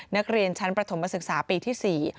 นักเรียนชั้นประถมศึกษาปีที่๔